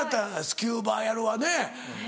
スキューバやるわね。